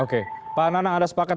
oke pak nanang ada sepaket